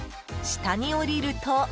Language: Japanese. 下に下りると。